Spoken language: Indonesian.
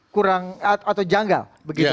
menurut anda kurang atau janggal begitu pak